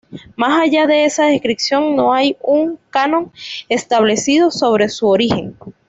Más allá de esa descripción no hay un canon establecido sobre su origen.